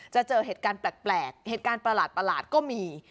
เจอเหตุการณ์แปลกเหตุการณ์ประหลาดก็มี